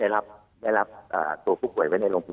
ได้รับตัวผู้ป่วยไว้ในโรงพยาบาล